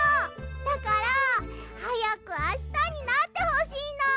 だからはやくあしたになってほしいの！